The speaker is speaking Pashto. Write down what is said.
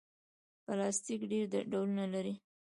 پلاستيک ډېر ډولونه لري.